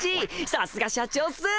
さすが社長っす！